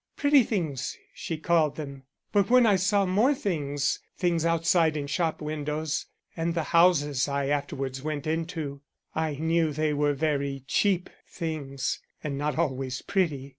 Pretty things she called them, but when I saw more things, things outside in shop windows and the houses I afterwards went into, I knew they were very cheap things and not always pretty.